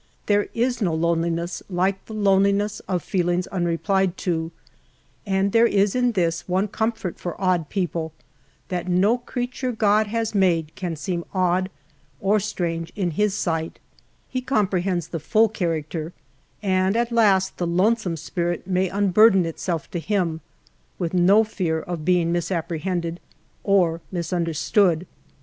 There is no loneliness like the loneliness of feelings unreplied to ; and there is this one comfort for odd people, that no creature God has made can seem odd or strange in his sight ; he comprehends the full character, and at last the lonesome spirit may un burthen itself to him, with no fear of being misapprehended or misunderstood.